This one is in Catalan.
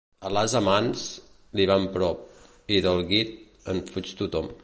A l'ase mans, li van prop, i del guit, en fuig tothom.